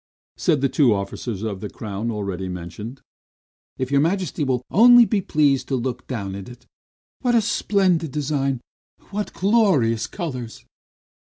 said the two officers of the crown, already mentioned. "If your Majesty will only be pleased to look at it! What a splendid design! What glorious colors!"